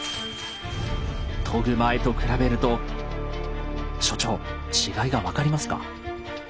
研ぐ前と比べると所長違いが分かりますか？